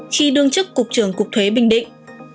khi đương chức cục trưởng cục thuế bình định